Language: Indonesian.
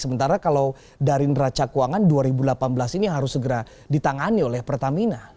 sementara kalau dari neraca keuangan dua ribu delapan belas ini harus segera ditangani oleh pertamina